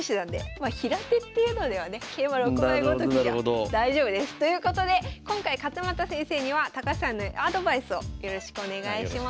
まあ平手っていうのではね桂馬６枚ごときでは大丈夫です。ということで今回勝又先生には高橋さんにアドバイスをよろしくお願いします。